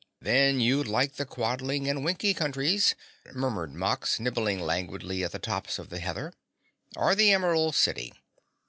"Then you'd like the Quadling and Winkie Countries," murmured Nox, nibbling languidly at the tops of the heather, "or the Emerald City.